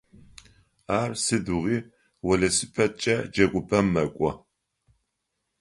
Ар сыдигъуи велосипедкӏэ джэгупӏэм мэкӏо.